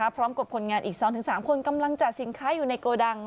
พร้อมกับคนงานอีก๒๓คนกำลังจัดสินค้าอยู่ในโกดัง